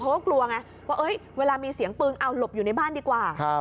เขาก็กลัวไงว่าเวลามีเสียงปืนเอาหลบอยู่ในบ้านดีกว่า